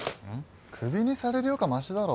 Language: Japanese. クビにされるよりかましだろ。